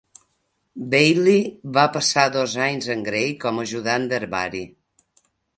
Bailey va passar dos anys amb Gray com a ajudant d'herbari.